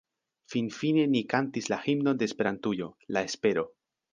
Finfine ni kantis la himnon de Esperantujo La espero.